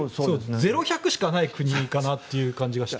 ゼロ百しかない国かなという感じがして。